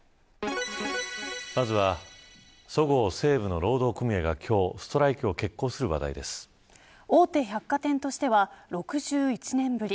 まずは、そごう・西武の労働組合が、今日大手百貨店としては６１年ぶり。